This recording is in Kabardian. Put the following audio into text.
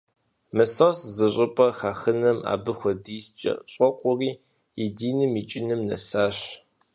Мысост зыщӀыпӀэ хахыным абы хуэдизкӀэ щӀокъури, и диным икӀыным нэсащ.